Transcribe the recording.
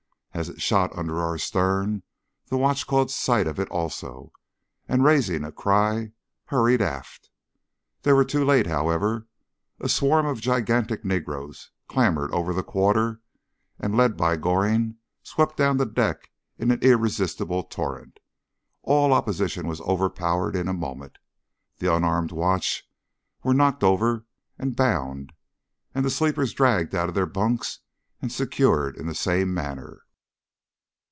As it shot under our stern the watch caught sight of it also, and raising a cry hurried aft. They were too late, however. A swarm of gigantic negroes clambered over the quarter, and led by Goring swept down the deck in an irresistible torrent. All opposition was overpowered in a moment, the unarmed watch were knocked over and bound, and the sleepers dragged out of their bunks and secured in the same manner.